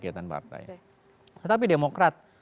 kegiatan partai tetapi demokrat